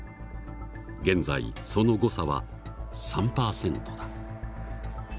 現在その誤差は３％だ。